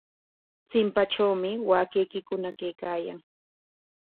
Chimpatrawmi waakaykikuna kaykaayan.